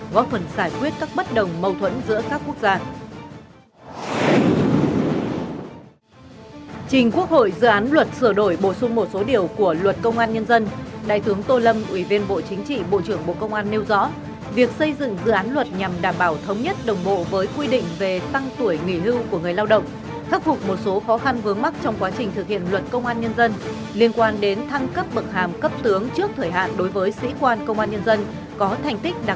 góp phần giải quyết các bất đồng mâu thuẫn giữa các quốc gia